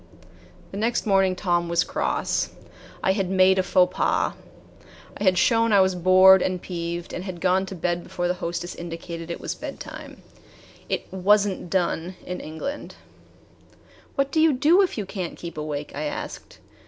The next morning Tom was cross. I had made a faux pas. I had shown I was bored and peeved and had gone to bed before the hostess indicated it was bedtime. It "was n't done" in England. "What do you do if you can't keep awake?" I asked.